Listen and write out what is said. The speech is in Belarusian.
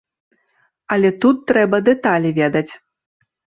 Але тут трэба дэталі ведаць.